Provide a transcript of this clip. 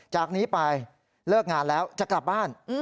จากนี้ไปเลิกงานแล้วจะกลับบ้าน